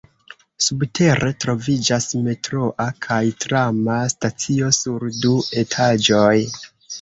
Subtere troviĝas metroa kaj trama stacio sur du etaĝoj.